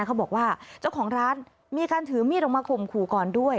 เขาบอกว่าเจ้าของร้านมีการถือมีดออกมาข่มขู่ก่อนด้วย